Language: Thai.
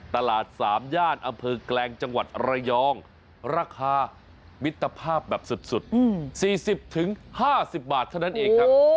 ตลาด๓ย่านอำเภอแกลงจังหวัดระยองราคามิตรภาพแบบสุด๔๐๕๐บาทเท่านั้นเองครับ